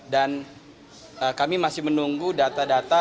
dan kami masih menunggu data data